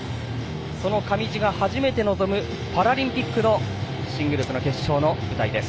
その上地が初めて臨むパラリンピックのシングルスの決勝の舞台です。